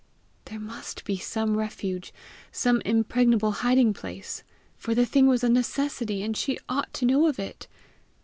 There must be some refuge, some impregnable hiding place, for the thing was a necessity, and she ought to know of it!